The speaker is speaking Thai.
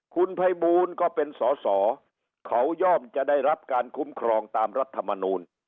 คุณภัยบูลก็เป็นสอสอเขาย่อมจะได้รับการคุ้มครองตามรัฐมนูล